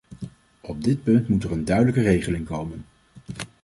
Op dit punt moet er een duidelijke regeling komen.